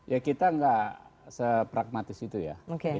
ya kita gak se pragmatis itu ya